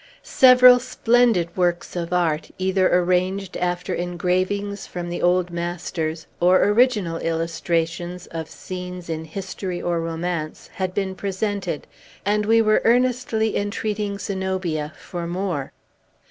Several splendid works of art either arranged after engravings from the old masters, or original illustrations of scenes in history or romance had been presented, and we were earnestly entreating Zenobia for more.